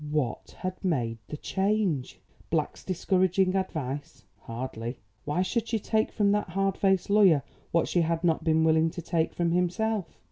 WHAT HAD MADE THE CHANGE? Black's discouraging advice? Hardly. Why should she take from that hard faced lawyer what she had not been willing to take from himself?